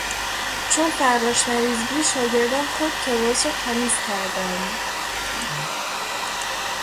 چون فراش مریض بود شاگردان خود کلاس را تمیز کردند.